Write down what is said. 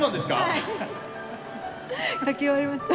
はい書き終わりました。